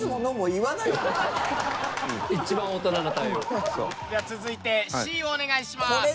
では続いてＣをお願いします。